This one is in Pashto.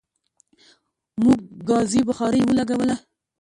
موږ ګازی بخاری ولګوله